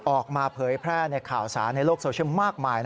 เผยแพร่ในข่าวสารในโลกโซเชียลมากมาย